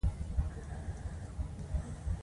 دوی یوه تولیدونکې برخه وه چې کولون نومیدل.